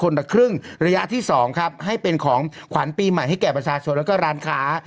ครึ่งระยะที่สองครับให้เป็นของขวัญปีใหม่ให้แก่ประชาชนแล้วก็ร้านค้า